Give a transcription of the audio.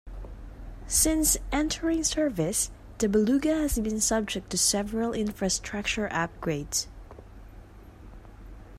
Since entering service, the Beluga has been subject to several infrastructure upgrades.